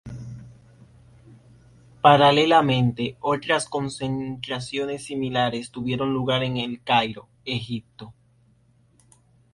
Paralelamente, otras concentraciones similares tuvieron lugar en El Cairo, Egipto.